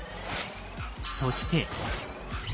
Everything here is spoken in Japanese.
そして。